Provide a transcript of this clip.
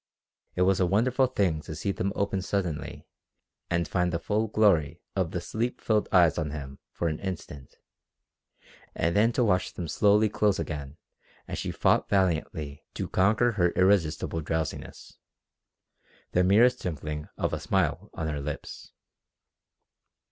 It was a wonderful thing to see them open suddenly and find the full glory of the sleep filled eyes on him for an instant, and then to watch them slowly close again as she fought valiantly to conquer her irresistible drowsiness, the merest dimpling of a smile on her lips.